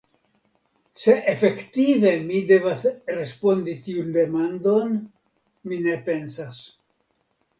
Se efektive mi devas respondi tiun demandon, mi ne pensas.